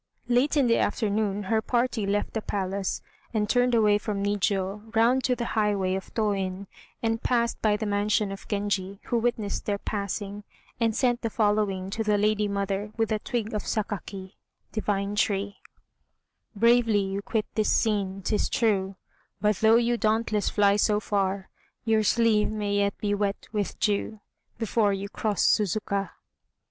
Late in the afternoon her party left the palace, and turned away from Nijiô round to the highway of Tôin, and passed by the mansion of Genji, who witnessed their passing, and sent the following to the lady mother with a twig of Sakaki (divine tree): "Bravely you quit this scene, 'tis true; But though you dauntless fly so far, Your sleeve may yet be wet with dew, Before you cross Suzukah."